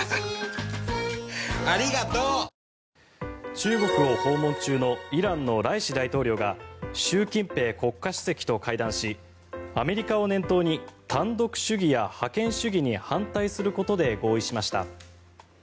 中国を訪問中のイランのライシ大統領が習近平国家主席と会談しアメリカを念頭に単独主義や覇権主義に反対することで合意しました。